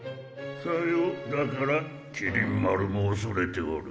さようだから麒麟丸も恐れておる。